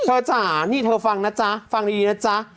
จ๋านี่เธอฟังนะจ๊ะฟังดีนะจ๊ะ